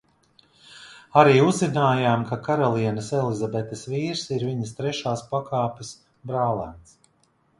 Arī uzzinājām, ka karalienes Elizabetes vīrs ir viņas trešās pakāpes brālēns.